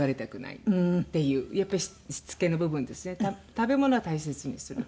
食べ物は大切にする。